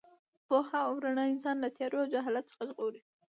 پوهه او رڼا انسان له تیارو او جهالت څخه ژغوري.